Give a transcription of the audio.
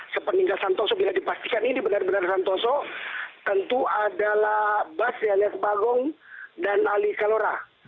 sepeninggal santoso bila dipastikan ini benar benar santoso tentu adalah basri alias bagong dan ali kalora